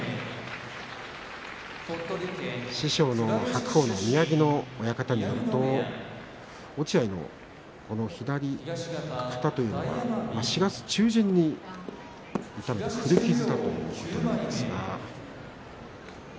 師匠の白鵬の宮城野親方によると落合の左肩というのは４月中旬に痛めた古傷だということですが。